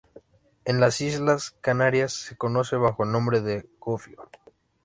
En las Islas Canarias se conoce bajo el nombre de gofio.